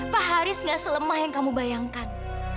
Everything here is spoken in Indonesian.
pak haris gak selemah yang kamu bayangkan